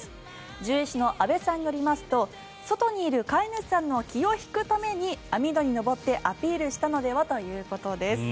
獣医師の阿部さんによりますと外にいる飼い主さんの気を引くために網戸に登ってアピールしたのではということです。